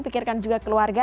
pikirkan juga keluarga